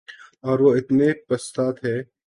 اور وہ اتنے پستہ تھے